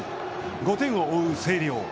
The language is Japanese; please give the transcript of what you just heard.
５点を追う星稜。